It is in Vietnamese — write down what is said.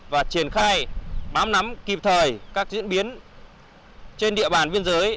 và triển khai bám nắm kịp thời các diễn biến trên địa bàn biên giới